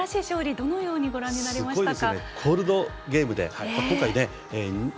どのようにご覧になりますか。